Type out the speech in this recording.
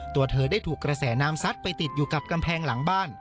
ตัวเธอได้ถูกกระแสน้ำซัดไปติดอยู่กับกำแพงหลังบ้าน